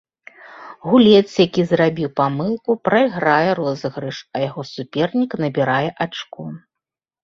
Гулец, які зрабіў памылку, прайграе розыгрыш, а яго супернік набірае ачко.